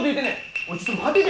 おいちょっと待てって！